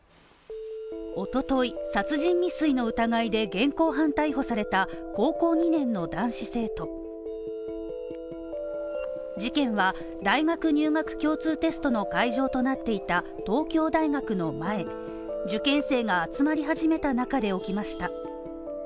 おととい、殺人未遂の疑いで現行犯逮捕された高校２年の男子生徒事件は大学入学共通テストの会場となっていた東京大学の前受験生が集まり始めた中で起きました。